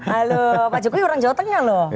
halo pak jokowi orang jawa tengah loh